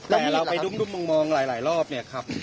แต่เราไปดุ้มมองหลายรอบครับ